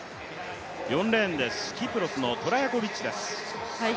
４レーン、キプロスのトラヤコビッチです。